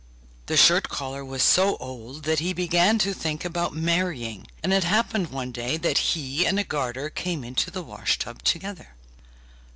The shirt collar was so old that he began to think about marrying; and it happened one day that he and a garter came into the wash tub together.